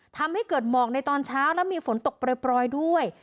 ทำให้เกิดหมอกในตอนเช้าและมีฝนตกปล่อยด้วย